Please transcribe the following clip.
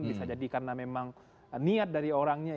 bisa jadi karena memang niat dari orangnya